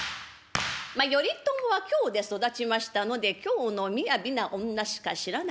まあ頼朝は京で育ちましたので京のみやびな女しか知らなかった。